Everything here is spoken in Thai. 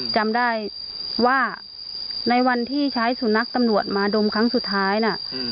จำได้ว่าในวันที่ใช้สุนัขตำรวจมาดมครั้งสุดท้ายน่ะ